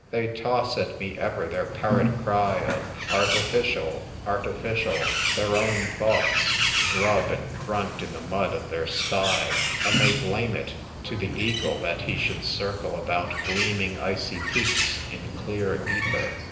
They toss at me ever their parrot cry of ' Artificial, artificial !' Their own thoughts grub and grunt in the mud of their sty, and they blame it to the eagle that he should circle about gleaming icy peaks in clear ether.